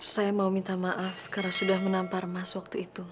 saya mau minta maaf karena sudah menampar emas waktu itu